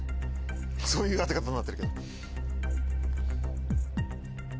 そういう当て方になってるけど。